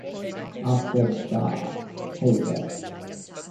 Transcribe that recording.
After the Hey Dad..!